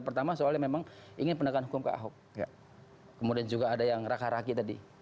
pertama soalnya memang ingin pendekatan hukum ke ahok kemudian juga ada yang raka raki tadi